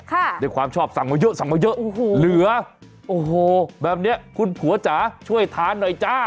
ค่ะได้ความชอบสั่งมาเยอะเหลือโอ้โหแบบเนี้ยคุณผัวจ๋าช่วยทานหน่อยจ้า